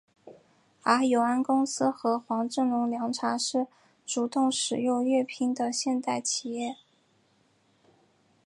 而永安公司和黄振龙凉茶是主动使用粤拼的现代企业。